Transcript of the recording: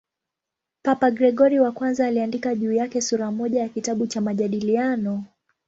Papa Gregori I aliandika juu yake sura moja ya kitabu cha "Majadiliano".